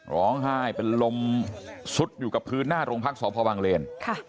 ร้องไห้เป็นลมซุดอยู่กับพื้นหน้าโรงพักษพวังเลน